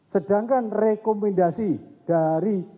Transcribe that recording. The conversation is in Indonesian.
sedangkan rekomendasi dari bmkg